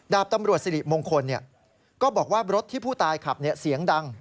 ตำรวจสิริมงคลก็บอกว่ารถที่ผู้ตายขับเสียงดัง